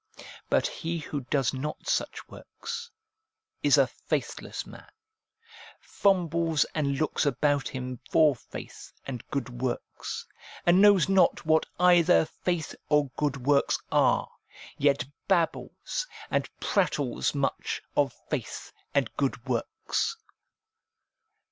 But he who does not such works is a faith less man, fumbles and looks about him for faith and good works, and knows not what either faith or good works are, yet babbles and prattles much of faith and good works.